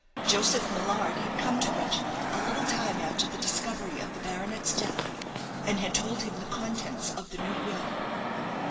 Joseph Millard had come to Reginald a little time after the discovery of the baronet's death, and had told him the contents of the new will.